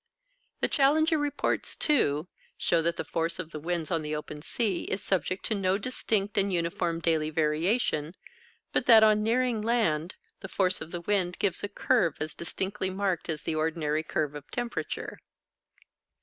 The Challenger Reports, too, show that the force of the winds on the open sea is subject to no distinct and uniform daily variation, but that on nearing land the force of the wind gives a curve as distinctly marked as the ordinary curve of temperature.